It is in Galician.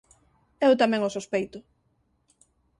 Eu tamén o sospeito.